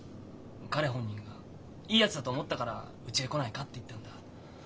彼本人がいいやつだと思ったから「うちへ来ないか」って言ったんだ。